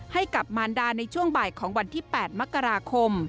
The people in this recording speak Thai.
ให้กับมารดาในช่วงบ่ายของวันที่๘มกราคม